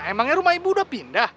emangnya rumah ibu udah pindah